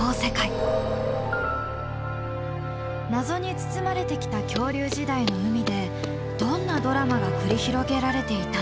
謎に包まれてきた恐竜時代の海でどんなドラマが繰り広げられていたのか。